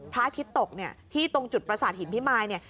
พระอาทิตย์ตกที่ตรงจุดประสาทหินพิมมาน